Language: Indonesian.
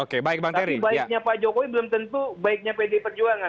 tapi baiknya pak jokowi belum tentu baiknya pd perjuangan